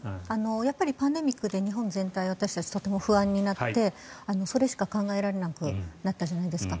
やっぱりパンデミックで日本全体私たち、とても不安になってそれしか考えられなくなったじゃないですか。